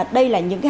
đây là những hành vi